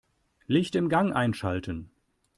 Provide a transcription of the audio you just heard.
Licht im Gang einschalten.